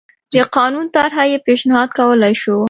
د قانون طرحه یې پېشنهاد کولای شوه